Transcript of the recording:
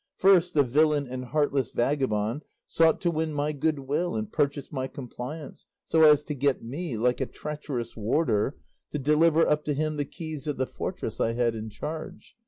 First, the villain and heartless vagabond sought to win my good will and purchase my compliance, so as to get me, like a treacherous warder, to deliver up to him the keys of the fortress I had in charge.